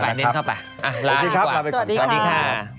เน้นเข้าไปลาไปดีกว่าสวัสดีค่ะ